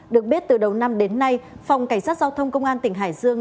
được biết từ đầu năm đến nay phòng cảnh sát giao thông công an tỉnh hải dương